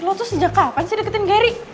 lo tuh sejak kapan sih deketin gary